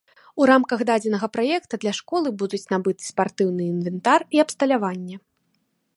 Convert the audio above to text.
У рамках дадзенага праекта для школы будуць набыты спартыўны інвентар і абсталяванне.